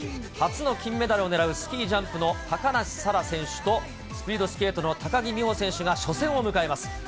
初の金メダルを狙うスキージャンプの高梨沙羅選手とスピードスケートの高木美帆選手が初戦を迎えます。